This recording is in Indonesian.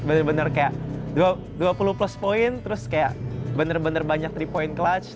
bener bener kayak dua puluh plus point terus kayak bener bener banyak tiga point clutch